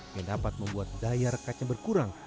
yang dapat membuat daya rekatnya berkurang